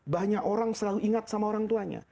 banyak orang selalu ingat sama orang tuanya